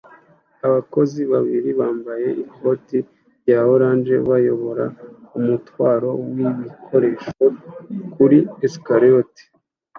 Abakozi babiri bambaye ikoti rya orange bayobora umutwaro wibikoresho kuri escalator